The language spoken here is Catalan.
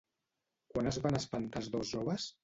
Quan es van espantar els dos joves?